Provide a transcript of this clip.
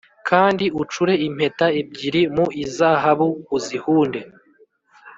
Kandi ucure impeta ebyiri mu izahabu uzihunde